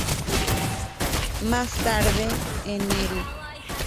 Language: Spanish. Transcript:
Más tarde en el "St.